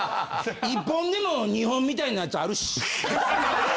１本でも２本みたいなやつあるし。